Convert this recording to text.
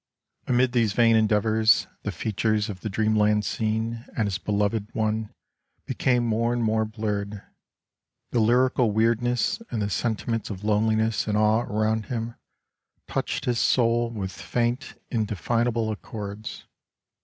Amid these vain endeavors the features of the dreamland scene and his beloved one became more and more blurred ; the lyrical weirdness and the sentiments of loneliness and awe around him, touched his soul with faint indefinable accords.